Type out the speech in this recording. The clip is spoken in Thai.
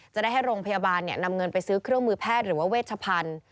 จะได้ให้โรงพยาบาลนำเงินไปซื้อเครื่องมือแพทย์หรือว่าเวชพันธุ์